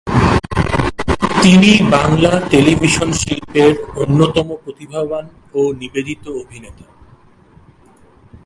তিনি বাংলা টেলিভিশন শিল্পের অন্যতম প্রতিভাবান ও নিবেদিত অভিনেতা।